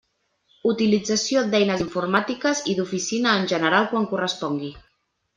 Utilització d'eines informàtiques i d'oficina en general quan correspongui.